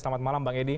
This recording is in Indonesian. selamat malam bang edi